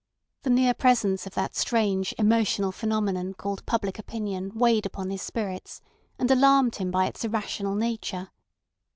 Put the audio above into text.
The near presence of that strange emotional phenomenon called public opinion weighed upon his spirits, and alarmed him by its irrational nature.